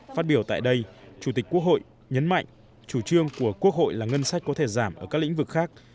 phát biểu tại đây chủ tịch quốc hội nhấn mạnh chủ trương của quốc hội là ngân sách có thể giảm ở các lĩnh vực khác